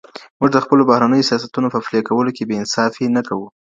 موږ د خپلو بهرنیو سیاستونو په پلي کولو کي بې انصافي نه کوو.